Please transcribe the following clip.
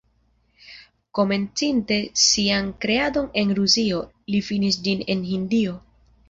Komencinte sian kreadon en Rusio, li finis ĝin en Hindio.